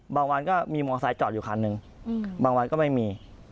วันก็มีมอไซค์จอดอยู่คันหนึ่งบางวันก็ไม่มี